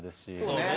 そうね。